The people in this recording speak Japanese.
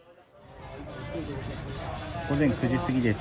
午前９時過ぎです。